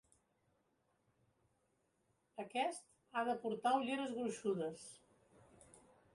Aquest ha de portar ulleres gruixudes.